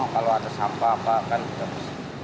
kalau ada sampah apa akan kita